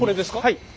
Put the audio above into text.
はい。